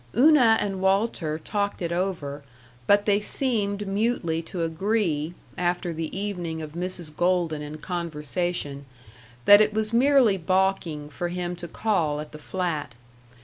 Una and Walter talked it over, but they seemed mutely to agree, after the evening of Mrs. Golden and conversation, that it was merely balking for him to call at the flat.